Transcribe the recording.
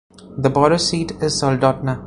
The borough seat is Soldotna.